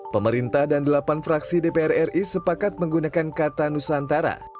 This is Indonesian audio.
pemerintah dan delapan fraksi dpr ri sepakat menggunakan kata nusantara